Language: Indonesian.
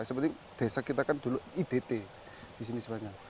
sepenting desa kita kan dulu idt di sini semuanya